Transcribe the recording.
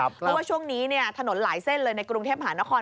เพราะว่าช่วงนี้ถนนหลายเส้นเลยในกรุงเทพหานคร